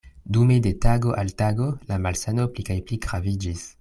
Dume de tago al tago la malsano pli kaj pli graviĝis.